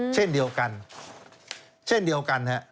เช่นเดียวกัน